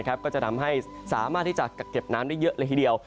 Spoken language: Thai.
ก็จะทำให้สามารถที่จะกักเก็บน้ำได้เยอะเลยทีเดียว